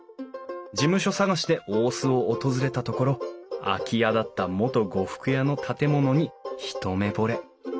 事務所探しで大須を訪れたところ空き家だった元呉服屋の建物に一目ぼれ。